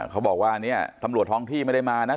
เขาบอกว่าเนี่ยตำรวจท้องที่ไม่ได้มานะ